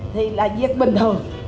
thì là việc bình thường